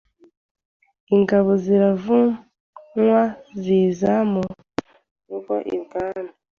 Ingabo ziravunywa ziza mu rugo Ibwami.